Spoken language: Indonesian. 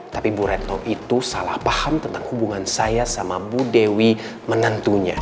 tapi bu retno itu salah paham tentang hubungan saya sama bu dewi menantunya